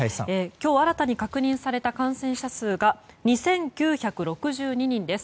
今日、新たに確認された感染者数が２９６２人です。